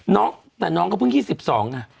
น้องแต่น้องก็เพิ่ง๒๒น่ะ